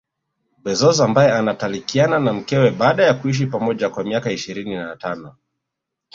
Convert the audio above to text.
Bezoz ambaye anatalakiana na mkewe baada ya kuishi pamoja kwa miaka ishirini na tano